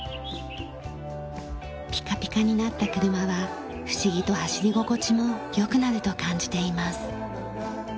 ピカピカになった車は不思議と走り心地も良くなると感じています。